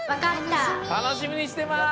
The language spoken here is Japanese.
たのしみにしてます！